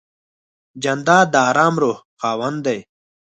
جانداد د آرام روح خاوند دی.